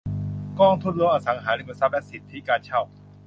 กองทุนรวมอสังหาริมทรัพย์และสิทธิการเช่า